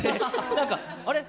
何か、あれ？